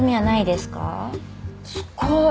すっごい！